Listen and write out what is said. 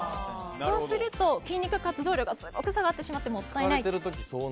そうすると、筋肉活動量がすごく下がってしまってもう使えない。